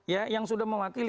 ya yang sudah mewakili